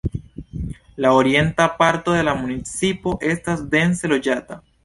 La orienta parto de la municipo estas dense loĝata.